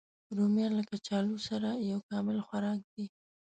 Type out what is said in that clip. رومیان له کچالو سره یو کامل خوراک دی